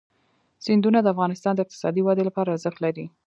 سیندونه د افغانستان د اقتصادي ودې لپاره ارزښت لري.